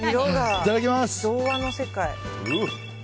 いただきます！